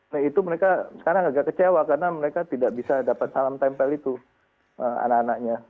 nah itu mereka sekarang agak kecewa karena mereka tidak bisa dapat salam tempel itu anak anaknya